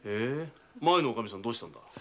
前のカミさんはどうしたんだ？